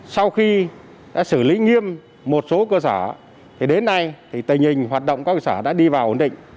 sau khi đã xử lý nghiêm một số cơ sở đến nay tẩy hình hoạt động các cơ sở đã đi vào ổn định